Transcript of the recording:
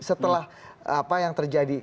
setelah apa yang terjadi